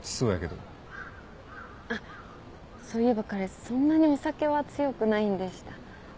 あっそういえば彼そんなにお酒は強くないんでした。